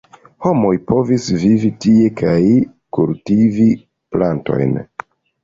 Homoj povis vivi tie kaj kultivi plantojn.